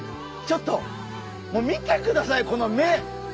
ちょっともう見てくださいこの目！